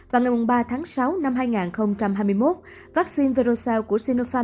vào ngày ba tháng sáu năm hai nghìn hai mươi một vắc xin verocell của sinopharm